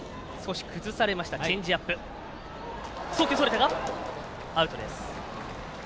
送球それたがアウトです。